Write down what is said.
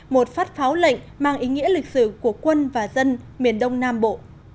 một phát pháo lệnh mang ý nghĩa lịch sử của quân và dân miền đông nam bộ